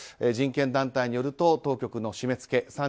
人権団体によると当局の締め付け